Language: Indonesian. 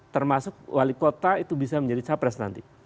termasuk wali kota itu bisa menjadi capres nanti